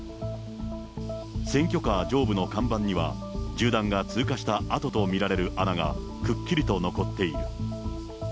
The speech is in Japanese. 選挙カー上部の看板には、銃弾が通過した痕と見られる穴がくっきりと残っている。